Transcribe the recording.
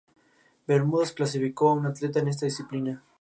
Bermudas clasificó a un atleta en esta disciplina.